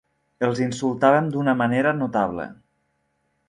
Els insultàvem d'una manera notable.